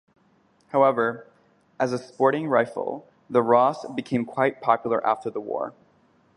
However, as a sporting rifle, the Ross became quite popular after the war.